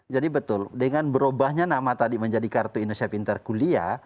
jadi betul dengan berubahnya nama tadi menjadi kartu indonesia pintar kuliah